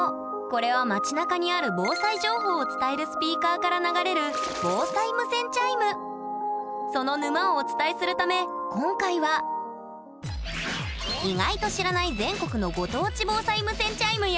これは町なかにある防災情報を伝えるスピーカーから流れるその沼をお伝えするため今回はを紹介するよ！